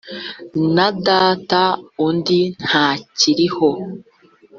na data undi ntakiriho